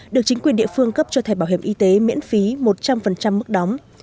được chính quyền địa phương cấp cho thẻ bảo hiểm y tế miễn phí một trăm linh mức đóng